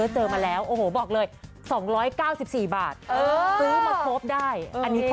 ทำการบ้านได้ดี